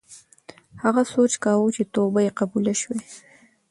هغه سوچ کاوه چې توبه یې قبوله شوې.